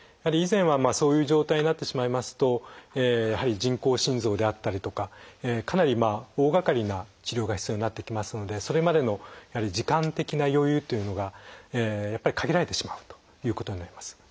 以前はそういう状態になってしまいますとやはり人工心臓であったりとかかなり大がかりな治療が必要になってきますのでそれまでの時間的な余裕というのがやっぱり限られてしまうということになります。